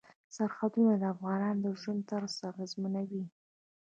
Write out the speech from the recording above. سرحدونه د افغانانو د ژوند طرز اغېزمنوي.